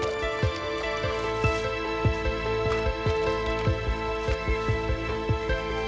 ada daugah cicitin belum kak